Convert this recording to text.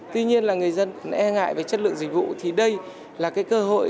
tuy nhiên là người dân e ngại về chất lượng dịch vụ thì đây là cái cơ hội